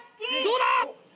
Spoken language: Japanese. どうだ？